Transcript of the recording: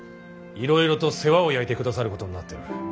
いろいろと世話を焼いてくださることになっておる。